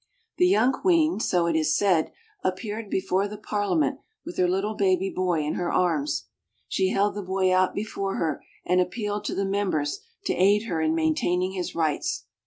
The young queen, so it is said, 294 AUSTRIA HUNGARY. appeared before the Parliament with her little baby boy in her arms. She held the boy out before her and appealed to the members to aid her in maintaining his rights.